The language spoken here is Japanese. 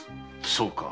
そうか。